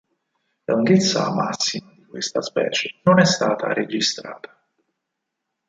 La lunghezza massima di questa specie non è stata registrata.